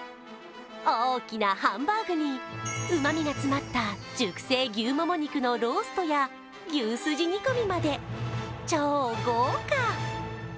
大きなハンバーグにうまみが詰まった熟成牛もも肉のローストや牛すじ煮込みまで超豪華。